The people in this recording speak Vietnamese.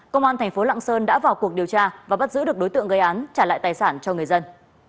công an thành phố lạng sơn đã vào cuộc điều tra và bắt giữ được đối tượng gây án trả lại tài sản cho người dân